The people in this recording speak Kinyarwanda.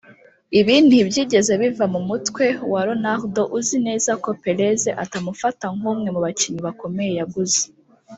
Ibi ntibyigeze biva mu mutwe wa Ronaldo uzi neza ko Perez atamufata nk’umwe mu bakinnyi bakomeye yaguze